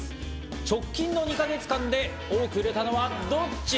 直近の２か月間で多く売れたのはどっち？